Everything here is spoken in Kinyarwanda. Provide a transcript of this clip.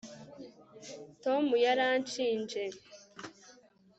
Tom yaranshinje